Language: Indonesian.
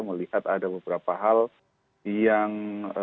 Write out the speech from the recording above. melihat ada beberapa hal yang